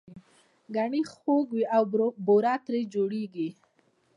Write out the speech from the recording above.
ګنی خوږ وي او بوره ترې جوړیږي